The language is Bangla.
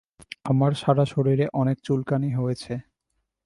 আমার সারা শরীরে অনেক চুলকানি হয়েছে।